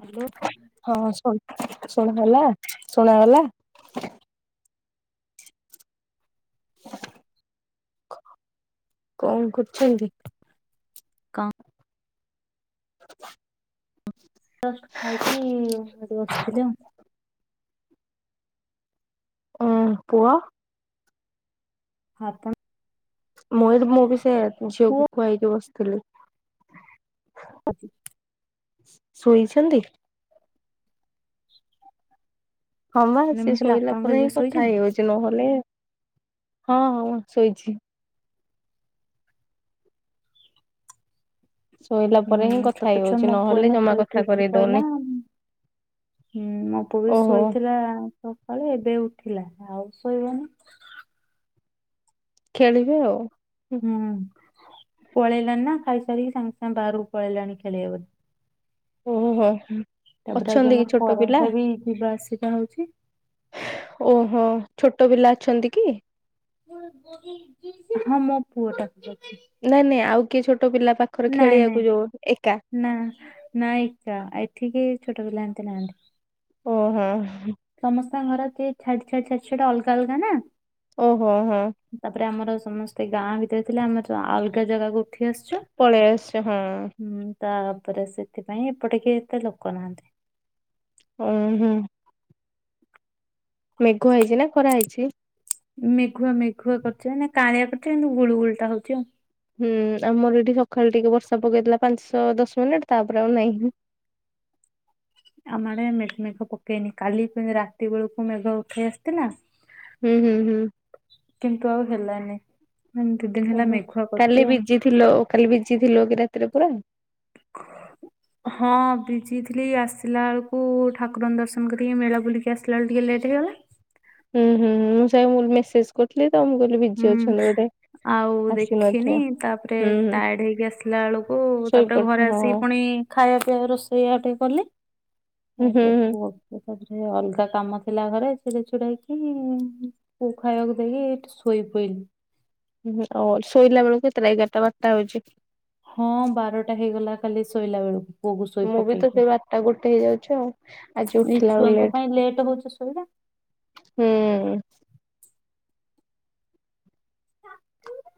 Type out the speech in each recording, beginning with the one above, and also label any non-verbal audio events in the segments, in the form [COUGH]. Hello ହଁ ଶ ଶୁଣ୍ ହେଲା ଶୁଣାଗଲା? [INAUDIBLE] କ କଣ କରୁଚ଼ନ୍ତି? କଅଁ? [INAUDIBLE] ଅଷ୍ଟ ଖାଇକି ଖାଇକି ବସଥିଲି ଆଉ । ଉଁ ପୁଅ । ଆପଣ ମୋଏଜ୍ ମୁଁ ବି ସେଆ ପୁଅ ଝିଅକୁ ଖୁଆଇକି ବସଥିଲି । [INAUDIBLE] [INAUDIBLE] ଶୋଇଛନ୍ତି? [INAUDIBLE] ହଁ ମା ନା ସିଏ ମୁଁ କହିଲି ଶୋଇଲା ଆପଣଙ୍କ ପରେ ଝିଅ ହିଁ କଥା ଶୋଇଛନ୍ତି? ହେଇହଉଚ଼ି ନହେଲେ ହଁ ହଁ ମୁ ଶୋଇଛି । ଶୋଇଲା ପରେ ହୁଁ ହିଁ କଥା ହେଇ ଛୋଟ ଛୁଆ ହଉଛି ମୋ ପୁଅ ନହେଲେ ଏଇନା ଜମା ଶୋଇକି କଥା ଉଠି କରେଇ ପଇଲା ଦଉନି। ମୋ ପୁଅ ଏଇ ଓହୋ ଶୋଇଥିଲା ସକାଳେ ଏବେ ଉଠିଲା । ଆଉ ଶୋଇବନି । ଖେଳିବେ ଆଉ। [UNINTELLIGIBLE] ହୁଁ ପଳେଇଲାଣି ନା ଖାଇସାରିକି ସାଙ୍ଗେ ସାଙ୍ଗେ ବାହାରକୁ ପଳେଇଲାଣି ଖେଳିବ ବୋଲି। ଓହୋ ହୁଁ। ତାପରେ ଆଜି ଆମର କରେଣ୍ଟଟା ବି ଯିବା ଆସିବା ହୋଉଛି। ଓହୋ ଛୋଟ ପିଲା ଅଛନ୍ତି କି? ହଁ ମୋ ପୁଅଟା। ନାଇଁ ନାଇଁ ଆଉ କିଏ ଛୋ ନାଇଁ ନାଇଁ ନା ନା ଏକା ଆ ଏଠି କେହି ଛୋଟ ପିଲା ନାହାନ୍ତି। ଓହୋ। ସମସ୍ ତଙ୍କ ଘରକେ ଛାଡ ଛାଡ ଛାଡି ଛୁଡା ଅଲଗା ଅଲଗା ନା। ଓହୋ ହଁ ତାପରେ ଆମର ସମସ୍ତେ ଗାଁ ଭିତରେ ଥିଲେ ଆମେତ ଆ ଅଲଗା ଜାଗାକୁ ଉଠି ଆସିଛୁ। ପଳେଇ ଆସୁଚ ହଁ। ହୁଁ ତାପରେ ସେଥିପାଇଁ ଏପଟ କେହି ଏତେ ଲୋକ ନାହାନ୍ତି। ଉଁହୁଁ। ମେଘ ହେଇଚି ନା ଖରା ହେଇଛି। ମେଘୁଆ ମେଘୁଆ କରଚି ନା କାଁଳିଆ କରଚି କିନ୍ତୁ ଗୁଳୁଗୁଳିଟା ହୋଉଚି ଆଉ। ହୁଁ ଆମର ଏଠି ସଖାଳୁ ଟିକେ ବର୍ଷା ପକେଇଥିଲା ପାଞ୍ଚ ଦଶ ମିନିଟ ତାପରେ ଆଉ ନାହିଁ। ଆମ ଆଡେ ମେ-ମେଘ ପକେଇନି କାଲି ରାତି ବେଳକୁ ମେଘ ଉଠେଇ ଆସିଥିଲା ହୁଁ ହୁଁ ହୁଁ। କିନ୍ତୁ ଆଉ ହେଲାନି। ମାନେ ଦି ଦିନ ହେଲା ଓହୋ ମେଘୁଆ କରୁଛି କାଲି ଆଉ। ବିଜି ଥିଲ ଓ କାଲି ବିଜି ଥିଲ ବି ରାତିରେ ପୁରା। ହଁ ବିଜିଥିଲି ଆସିଲା ବେଳକୁ ଠାକୁରଙ୍କ ଦର୍ଶନ କରିକି ମେଳା ବୁଲିକି ଆସିଲା ବେଳେ ଟିକେ ଲେଟ୍ ହେଇଗଲା। ହୁଁ ହୁଁ ହୁଁ ମୁଁ ସବୁ ମାନ୍ ମେସେଜ କରୁଥିଲି। ହୁଁ ଆଉ ଦେଖିନି ଆସିନଥିବେ। ତାପରେ ହୁଁ ହୁଁ ଟାଏଡ଼ ହେଇକି ଆସିଲା ବେଳକୁ ତାପରେ ଘରେ ଶୋଇପଡିଥିବ। ଆସିକି ପୁଣି ଖାଇବା ପିଇବା ରୋଷେଇ ଆଟେ କଲେ। ହୁଁ ହୁଁ ତାପରେ ହୁଁ। ଫ୍ରି ଅଛି। ତାପରେ ଅଲଗା କାମ ଥିଲା ଘରେ ଛିଡେଇ ଛୁଡାକି ପୁଅକୁ ଖାଇବାକୁ ଦେଇକି ଏଇଠି ଶୁ ଶୋଇପଇଲି। ହୁଁ ଆ ଶୋଇଲା ବେଳକୁ କେତେଟା ଏଗାରଟା ବାରଟା ହୋଉଚି? ଖାଲି ଶୋଇଲା ବେଳକୁ। ପୁଅକୁ ଶୋଇ ମୁଁ ବି ତ ପକେଇକି ସେଇ ବାରଟା ଗୋଟେ ହେଇଯାଉଛି ଆଉ ଆଜି ଏଇ ଉଠିଲା ବେଳେ ଛୁଆଙ୍କ ଲେଟ ପାଇଁ ଲେଟ୍ ହଉଛି ଶୋଇବା ହୁଁ।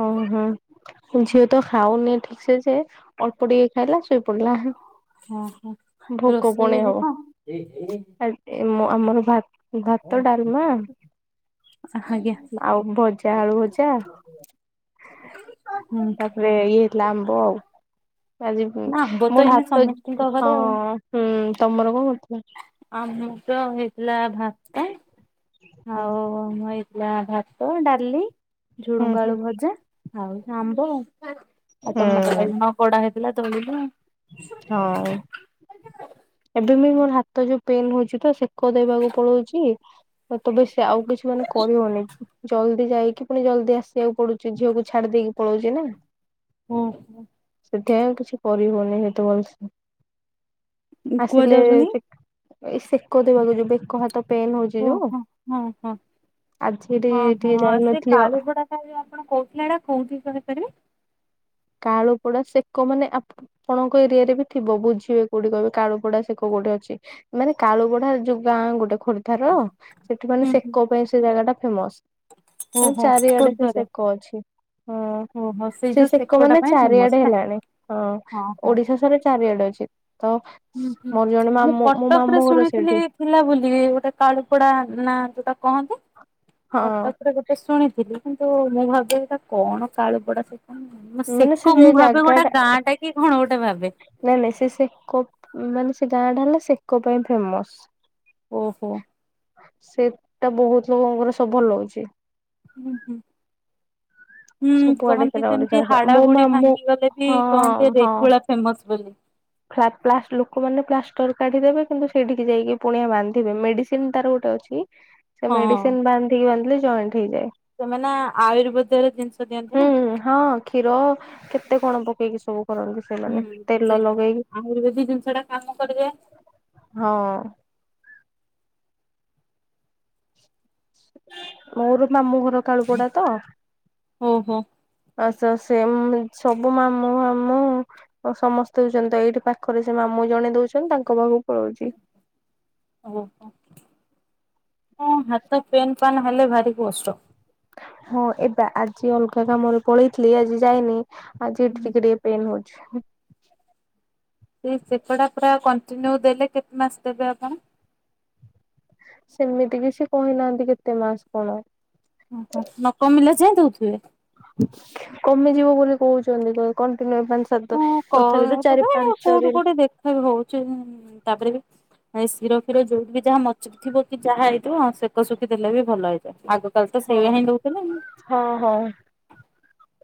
ହଁ ହଁ [UNINTELLIGIBLE] ତ ଖାାଉନି ଠିକ ସେ ଯେ ଅଳ୍ପ ଟିକେ ହେଲା ସୁପ କଲା ହଁ ଓହୋ ଭୋକ ରୋଷେଇ ପୁଣି ଆଜି ହବ କଣ ଆମର ଭାତ ଡାଲମା ଆଜ୍ଞା ଆଉ ଭଜା ଆଳୁ ଭଜା [INAUDIBLE] ତାପରେ ଇଏ ହେଇଥିଲା ଆମ୍ବ ଆଉ। ଆଜି ନା ଆମ୍ବ ତ ମୋର ଏଇନେ ହାତ ସମସ୍ତିଙ୍କ ଘରେ ହଁ ଆଉ ହୁଁ ତମର କଣ କରଥିଲ? [UNINTELLIGIBLE] ଲାଭା କାଇଁ? ହୁଁ ନା ଭାତ ଡାଲି ହୁଁ ଝୁଡୁଙ୍ଗ ହୁଁ ଆଳୁ ଭଜା ଖାଉଚୁ ଆମ୍ବ। ଆ ତମେ ଖାଇନ କଡ଼ାହେ? ହଁ [UNINTELLIGIBLE] [INAUDIBLE] ଏବେ ବି ମୋର ହାତ ଯୋଉ ପେନ୍ ହଉଛି ତ ସେକଦେବାକୁ ପଳଉଚି ମତେ ବେସି ସେ ଆଉ କିଛି ମାନେ କହିହଉନି ଜଲ ମୁଁ ଯାଇକି ପୁଣି ଜଲଦି ଆସିବାକୁ ପଡୁଚି ଝିଅକୁ ଛାଡି ଦେଇେଇକି ପଳଉଛି ନା। ହୁଁ ହୁଁ ସେଥିପାଇଁ କିଛି କରିହଉନି ଏତେ ଭଲସେ। କୁଆ ଆସିଲେ ଯାଉଛନ୍ତି? ସେ ଏଇ ସେକ ଦେବାକୁ ଯିବେ ବେକ ହାତ ପେନ୍ ହଉଛି ଓହୋ ଯୋଉ ହଁ ହଁ ଆଜି ଏଠି ହଁ ଟିକେ ହଁ ସେ ଯାଇନଥିଲି କାଳୁପଡା ଆପଣ କହୁଥିଲେ ସେଟା କୋଉଠି କହିପାରିବେ? କାଳୁପଡା ସେକ ମାନେ ଆପଣଙ୍କ ଏରିଆରେ ବି ଥିବ ବୁଝିବେ କୋଉଠି କହିବେ କଳୁପଡା ସେକ କୋଉଠି ଅଛି ମାନେ କାଳୁପଡା ଯୋଉ ଗାଁ ଗୋଟେ ଖୋର୍ଦ୍ଧାର ସେଠି ମାନେ ହୁଁ ହୁଁ ସେକ ପାଇଁ ସେ ଜାଗା ଟା ଫେମସ ସେମାନେ ଓହୋ ଚାରିଆଡେ ସେ ଖୋର୍ଦ୍ଧାରେ ସେକ ଅଛି ହଁ ଓହୋ ସେଇ ସେ ଯୋଉ ସେ ଲୋକ ସେକଟା ମାନେ ପାଇଁ ଫେମସ ଚାରିଆଡେ ନା? ହେଲାଣି ହଁ ଓଡିଶା ସାରା ଚାରିଆଡେ ଅଛି। [UNINTELLIGIBLE] ହୁଁ ହୁଁ ମୋର ଜଣେ ମୁଁ ମାମୁଁ ମୋ କଟକ ରେ ମାମୁଁ ଘର ଶୁଣିଥିଲି ସେଇଠି ଥିଲା ବୋଲି ଗୋଟେ କାଳୁପଡା ନାଁ ଯୋଉଟା କହନ୍ତୁ ହଁ କଟକରେ ଗୋଟେ ଶୁଣିଥିଲି କିନ୍ତୁ ମୁଁ ଭାବିଲି ଏଟା କଣ କାଳୁପଡା ସେକ୍ ମାନେ ସେକ ସେ ମୁଁ ଭାବେ ଜାଗା ଗୋଟେ ଗାଁ ଟା କି କଣ ଗୋଟେ ଭାବେ। ନାଇଁ ନାଇଁ ସେ ସେକ ମାନେ ସେ ଗାଁ ଟା ହେଲା ସେକ ପାଇଁ ଫେମସ। ଓହୋ । ସେଟା ବହୁତ ଲୋକଙ୍କର ସବୁ ଭଲ ହଉଛି। ହୁଁ ହୁଁ । ହୁଁ ସବୁଆଡେ କହନ୍ତି ସେଟା ଗୋଟେ ସେମତି ଜାଗା ହାଡା ମୋ ହୁଡି ମାମୁଁ ଭାଙ୍ଗିଗଲେ ବି ହଁ କହନ୍ତି ହଁ। ରେକୁଳା ଫେମସ ବୋଲି। ଫ୍ଲା ପ୍ଲାଷ୍ଟ ଲୋକମାନେ ପ୍ଲାଷ୍ଟର କାଢିଦେବେ କିନ୍ତୁ ସେଇଠିକି ଯାଇକି ପୁଣି ବାନ୍ଧିବେ ମେଡିସିନ ତାର ଗୋଟେ ଅଛି । ସେ ହଁ। ମେଡିସିନ ବାନ୍ଧିକି ବାନ୍ଧିଲେ । ଜଏଣ୍ଟ୍ ହେଇଯାଏ ସେମାନେ ଆୟୁର୍ବେଦର ଜିନିଷ ଦିଅନ୍ତି ନା ହୁଁ ହଁ କ୍ଷୀର କେତେ କଣ ପକେଇକି । କରନ୍ତି ହୁଁ ସେମାନେ ତେଲ ସେଇଟା। ଲଗା ଆୟୁର୍ବେଦିକ ଜିନିଷ ଟା କାମ କରିଯାଏ । ହଁ ମୋର ମାମୁଁ ଘର କାଳୁପଡା ତ । ଓ ହୋ । ତେମିତି ସବୁ ମାମୁଁ ମାମୁଁ ସମସ୍ତେ ଦଉଛନ୍ତି ତ ଏଇଠି ପାଖରେ ସେ ମାମୁଁ ଜଣେ ଦଉଛନ୍ତି ତାଙ୍କ ପାଖକୁ ପଳଉଛି। ଓ ହୋ । ଅଁ ହାତ ପେନ୍ ପାନ୍ ହେଲେ ଭାରି କଷ୍ଟ । ହଁ ଏବା ଆଜି ଅଲ୍ଗା କାମରେ ପଳେଇଥିଲି ଆଜି ଯାଇନି । ଆଜି ଏଠି ଟିକେ ଟିକେ ପେନ୍ ହଉଚି । [UNINTELLIGIBLE] ଛେ ଏ ସେକ ଟା ପୁରା କଣ୍ଟିନ୍ୟୁ ଦେଲେ କେତ୍ ମାସ୍ ଦେବେ ଆପଣ । ସେମିତି କିଛି କହିନାହାନ୍ତି କେତେ ମାସ କଣ । ଓହୋ ନ କମିଲା ଯାଇଁ ଦଉଥିବେ । କମି ଯିବ ବୋଲି କହୁଛନ୍ତି ତ କ କଣ୍ଟିନ୍ୟୁ ପାଞ୍ଚ ସାତ ହଁ କହୁ ତଥାପି ତେବେ ପାଞ୍ଚ କୋଉଠି ଦିନ କୋଉଠି ଦେଖାବି ହଉଛି ତାପରେ ବି ହେଇ ଶିର ଫିର ଯଉଠି ବି ଯାହା ମଚକିଥିବ କି ଯାହା ହେଇଥିବ ସେକ ସୁକି ଦେଲେ ବି ଭଲ ହେଇଯାଏ ଆଗକ୍ କାଳେ ତ ହଁ ସେଇଆ ହି ନେଉଥିଲେ ।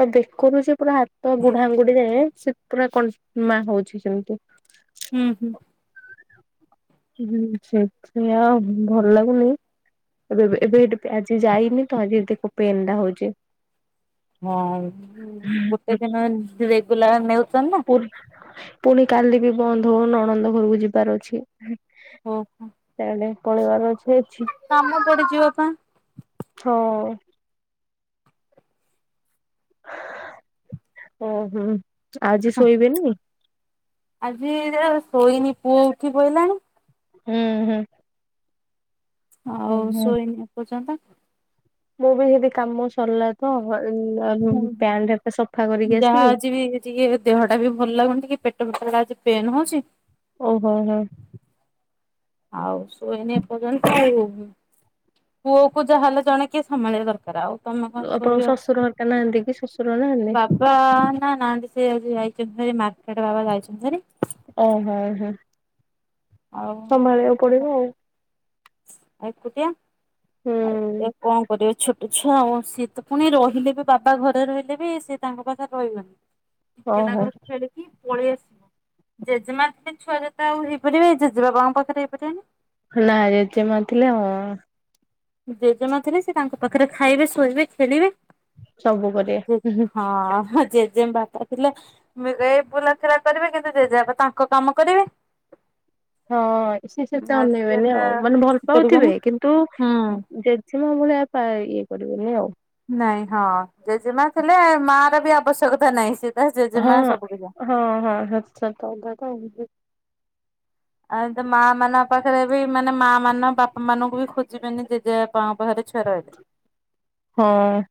ଆ ଦେଖୁନୁ ସେ ପୁରା ହାତ ବୁଢାଆଙ୍ଗୁଡ଼ି ଯାଏଁ ସେ ପୁରା କନ୍ ମା ହଉଛି ସେମିତି । ହୁଁ ହୁଁ । ହୁଁ ସେ ସେୟା ଆଉ । ଭଲ ଲାଗୁନି ଏବେ ଏବେ ଏଠି ଆଜି ଯାଇନି ତ ଆଜି ପେନ୍ ଟା ହଉଚି । ଚି । ହଁ ଗୋଟେ ଦିନ ଏମିତି ରେଗୁଲାର୍ ନେଉଚ ପୁର୍ ପୁଣି କାଲି ବି ବନ୍ଦ ହବ, ନଣନ୍ଦ ଘରକୁ ଯିବାର ଅଛି । ଓହୋ। ପଳେଇବାର ଅଛି। [UNINTELLIGIBLE] ପା ହଁ। ଓହୋ। ଆଜି ଶୋଇବେନି? ଆଜି ଅ ଶୋଇନି ପୁଅ ଉଠି ପଇଲାଣି। ହୁଁ ହୁଁ । ଆଉ ଶୋଇନି ଏଇ ପର୍ଯ୍ୟନ୍ତ। ମୁଁ ବି [UNINTELLIGIBLE] କାମ ସରିଲା ତ ହ ହୁ ହୁଁ କରିକି ଯାହା ଆସିଲି। ଆଜି ବି ଟିକେ ଦେହ ଟା ବି ଭଲ ଲାଗୁନି ଟିକେ ପେଟ ଫେଟ ଆଜି ପେନ୍ ହଉଚି। ଓହୋ ହୋ ହଁ। ଆଉ ଶୋଇନି ଏପର୍ଯ୍ୟନ୍ତ ଆଉ, ପୁଅକୁ ଯାହାହେଲେ ଜଣେ କିଏ ସମ୍ଭାଳିବା ଦରକାର ଆଉ। ତମେ କଣ ଆପଣଙ୍କ ଶୋଇ ଶ୍ୱଶୁର ହରିକା ନାହାନ୍ତି [UNINTELLIGIBLE] କି ଶ୍ୱଶୁର ନାହାନ୍ତି? ବାବା ନା ନାହାନ୍ତି ସେ ଆଜି ଯାଇ [UNINTELLIGIBLE] ମାର୍କେଟ୍ ବାବା ଯାଇଛନ୍ତି ହେରି। ଓହୋ ହୋ। ଆଉ ସମ୍ଭାଳିବାକୁ ପଡିବ ଆଉ। ଏକୁଟିଆ। ଆଉ ହୁଁ। କଣ କରିବ ଛୋ ଆଚ୍ଛା ସିଏ ତ ପୁଣି ରହିଲେ ବି ବାବା ଘରେ ରହିଲେ ବି, ସେ ତାଙ୍କ ପାଖରେ ରହିବନି। ଟିକେ ଓହୋ ନାକୁ ଖେଳ କି ପଳେଇ ଆସିବ ଜେଜେମା ଛୁଆ ଯେତେ ଆଉ ହେଇପାରିବେ, ଜେଜେବାବାଙ୍କ ପାଖରେ ହେଇପାରିବନି। ନା ଜେଜେ ମା ଥିଲେ ହଁ। ଜେଜେମା ଥିଲେ ସେ ତାଙ୍କ ପାଖରେ ଖାଇବେ, ଶୋଇବେ, ଖେଳିବେ ସବୁ କରିବେ। ହଁ ଜେଜେ ବାପା ଥିଲେ ମୁଁ ଏ ବୁଲାଖରା କରିବି କିନ୍ତୁ ଜେଜେବାପା ତାଙ୍କ କାମ କରିବେ। ହଁ ସେ ସେ ତ ଆଉ ସିଏ ଅନେଇବେନି ତ ଆଉ ମାନେ ଭଲ ମିଶି ପାଉଥିବେ ପାରିବେନି କିନ୍ତୁ ହୁଁ ଜେଜେମା ଭଳିଆ ପାଏନି। ଇଏ କରିବେନି ଆଉ। ନାଇଁ ହଁ ଜେଜେମା ଥିଲେ ମାର ବି ଆ ଆବଶ୍ୟକତା ନାହିଁ, ସେ ତା ଜେଜେମା ହଁ ସବୁ କିଛି ହଁ ହଁ [INAUDIBLE] ଆ ତ ମା ମାନ ପାଖରେ ବି ମାନେ ମା ମାନ ବାପା ମାନଙ୍କୁ ବି ଖୋଜିବେନି ଯେଜେପାଙ୍କ ପାଖରେ ଛୁଆ ରହିଲେ। ହଁ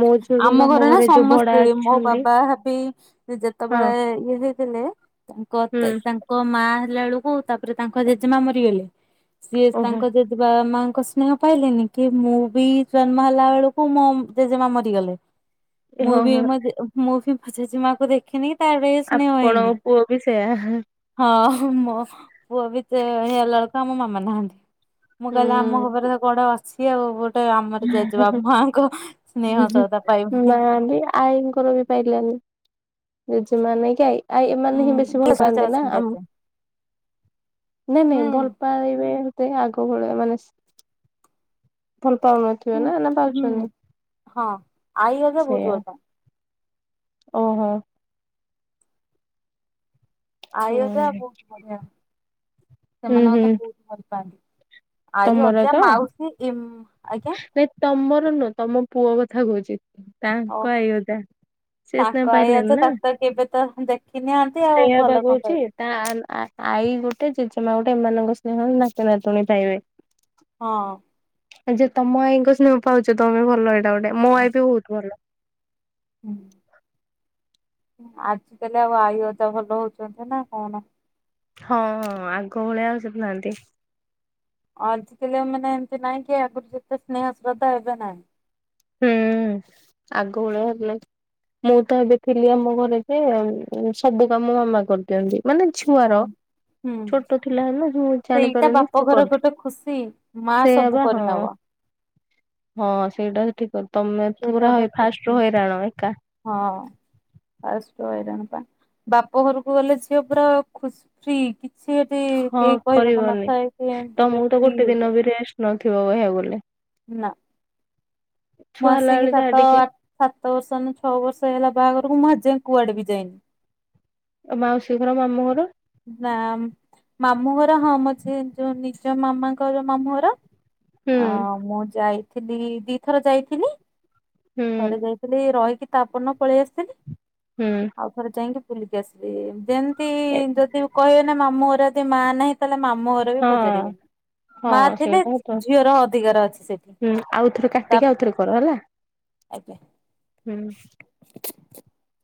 ମୋ ଝିଅ କିନ୍ତୁ ଆମ ଘର ନା ଘରେ ଯୋଉ ଭଡା ସମସ୍ତେ ମୋ ଅଛନ୍ତି ବାବା ଭାବି ହଁ ଯେତେବେଳେ ଇଏ ହେଇଥିଲେ। ତାଙ୍କ ହୁଁ ତାଙ୍କ ମା ଥିଲା ବେଳକୁ ତାପରେ ତାଙ୍କ ଜେଜେମା ମରିଗଲେ। ସିଏ ଓହୋ ତାଙ୍କ ଯଦି ବାପ ମା କୃଷ୍ଣା ପାଇଲିନି କି ମୁଁ ବି ଜନ୍ମ ହେଲା ବେଳକୁ ମୋ ମା ମରି ଗଲେ ଏ ମୁଁ ହଁ ଭି ହଁ ମୁଁ ଭି ଆ ଜେଜେ ମାକୁ ଦେଖିନି। [UNINTELLIGIBLE] ହଁ ଆପଣଙ୍କ ପୁଅ ବି ସେୟା [UNINTELLIGIBLE] ପୁଅ ବି ତ ହେ [UNINTELLIGIBLE] ଆମ ମା ନାହାନ୍ତି। ମୁଁ କହିଲେ ଆମ ଘର ଉପରେ ହୁଁ। ତ ଗୋଡ ବସ ସିଏ ଗଟେ ଆମର ଜେଜେବାବା ମାଙ୍କ ମା ଆଇଙ୍କର ବି ପାଇଲାନି। ଜେଜେ ମାଆ କି ଆଇ ଆ ଏମାନେ ହିଁ ବେଶୀ ହୁଁ। ଭଲ ସହିତ ପାଆନ୍ତି ନା, ଅଛନ୍ତି ଆମ ଏତେ। ନାଇଁ ହୁଁ ନାଇଁ ଭଲ ପାଇବେ ଆଗ ସବୁଳେ ମାନେ ଭଲ୍ ହଁ ହଁ ହଁ ଆଈ ଅଜ ଭହୁତ ଭଲପାନ୍ତି। ଓ ହୋ ଆଇ ଅଜା ହୁଁ ବହୁତ ବଢିଆ, ସେମାନେ ହୁଁ ମତେ ବହୁତ ଭଲି ପାଆନ୍ତି। ଆଇ, ତମର ଅଜା, ତ ମାଉସୀ ଇମ୍ ଆଜ୍ଞା ନାଇଁ ତମର ନୁହଁ ତମ ପୁଅ କଥା। ଖା -ଉଚିତ୍ ଓ ତାଙ୍କ ଆଇ ଅଜା, ସେ ସ୍ନେହ ତାଙ୍କ ଆଈ ଅଜା ପାଇଲେନି ନା, ତାକୁ ତ କେବେ ତ ଦେଖିନାହାନ୍ତି ଆଉ ସେଇଆ ପା ଭଲ କଣ କହୁଛି, ପାଇବେ ତା ଆଈ ଗୋଟେ ଜେଜେ ଏ ମା ଗୋଟେ, ଏମାନଙ୍କ ସ୍ନେହ ନାତି ନାତୁଣୀ ପାଇବେ। ହଁ। ଯେ ତମ ଆଇଙ୍କ ସ୍ନେହ, ପାଉଛ ତମେ ଭଲ ଏଇଟା ଗୋଟେ, ମୋ ଆଇ ବି ବହୁତ ଭଲ। ଆଜି କାଲି ଆଉ, ଆଇ ଅଜା ଭଲ ହଉଛନ୍ତି ନା କଣ। ହଁ ହଁ ଆଗ ଭଳିଆ, ଆଉ ସେଠୁ ନାହାନ୍ତି। ଆଜିକାଲି ଆଉ ମାନେ, ଏମିତି ନାହିଁ କି ଆଗରୁ ଯେତେ ସ୍ନେହ ଶ୍ରଦ୍ଧା, ଏବେ ନାହିଁ। ହୁଁ ଆଗ ଭଳିଆ ହେଲେ, ମୁଁ ତ ଏବେ ଥିଲି ଆମ ଘରେ ଯେ, ସବୁ କାମ ମାମା କରିଦିଅନ୍ତି। ମାନେ ଛୁଆର, ହଁ। ହୁଁ ଛୋଟ ଥିଲା ହେ ନା ମୁଁ ସେଇଟା ଜାଣିପାରିନି ବାପ ସେ ଘର କରିଥିଲେ, ଗୋଟେ ଖୁସି ମା ସେୟା ସବୁ ବା ହଁ କରିନବ ହଁ ସେଇଟା। ତମେ ସେଇଟା ପୁରା ଗୋଟେ ହ, ଫାଷ୍ଟ ଖୁସି ରୁ ହଇରାଣ ଏକା। ହଁ ଫାଷ୍ଟ୍ ରୁ ହଇରାଣ ପା, ବାପ ଘରକୁ ଗଲେ ଝିଅ ପୁରା ଖୁସି ଫ୍ରି। କିଛି ଏଠି ହଁ କେହି କହିବାକୁ କରିବନି, ନଥାଏ କି ବୁଲେ ତମକୁ ତ ଫ୍ରି ଗୋଟେ ହେଇଯାଏ ଦିନ ବି ରେଷ୍ଟ୍ ନ ଥିବ ବହିଆ କୁ ଗଲେ। ନା। ମୁଁ ଛୁଆ ହେଲା ଆସିକି ବେଳେ ଯାହା ସାତ ଟିକେ ଆ ସାତ ବର୍ଷ ନା ଛଅ ବର୍ଷ ହେଲା ବାହାଘରକୁ ମୁଁ ଆଜିଯାଏ କୁଆଡେ ବି ଯାଇନି। ଆଉ ମାଉସୀ ଘର, ମାମୁଁ ଘର? ନା ମାମୁଁ ଘର ହଁ ମୋ ସେ ଯୋଉ, ନିଜ ମାମାଙ୍କର ମାମୁଁ ଘର। ହୁଁ ହଁ ମୁଁ ଯାଇ ଥିଲି, ଦିଥର ଯାଇଥିଲି। ହୁଁ ଥରେ ଯାଇଥିଲି, ରହିକି ତାପର ଦିନ ପଳେଇ ଆସିଥିଲି। ହୁଁ ଆଉ ଥରେ ଯାଇକି ବୁଲିକି ଆସିଲି ଦେନ୍ ଏ ଏଇ ଯଦି କହିବେ ନା ମାମୁଁ ଘରେ ମା ନାହିଁ ତା ମାମୁଁ ଘର ବି ହଁ। ପଚାରିବେନି, ହଁ ମା ଥିଲେ ସେଇଟା ତ ଝିଅର ଅଧିକାର ଅଛି ସେଠି ହୁଁ ଆଉଥରେ ତା କାଟିକି ଆଉଥରେ କର ହେଲା ଆଜ୍ଞା। ହୁଁ। [INAUDIBLE]